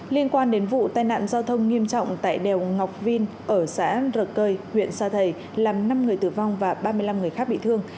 liên quan đến vụ tai nạn giao thông nghiêm trọng tại đèo ngọc vin ở xã rờ cơi huyện sa thầy làm năm người tử vong và ba mươi năm người khác bị thương